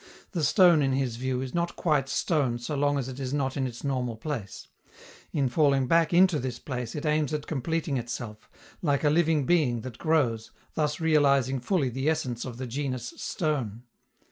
The stone, in his view, is not quite stone so long as it is not in its normal place; in falling back into this place it aims at completing itself, like a living being that grows, thus realizing fully the essence of the genus stone.